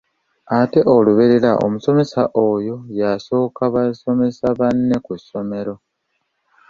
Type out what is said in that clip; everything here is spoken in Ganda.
Ate olubeerera omusomesa oyo yasooka basomesa banne ku ssomero.